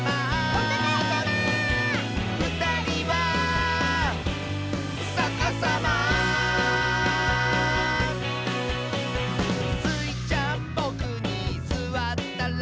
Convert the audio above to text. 「おたがいさま」「ふたりはさかさま」「スイちゃんボクにすわったら」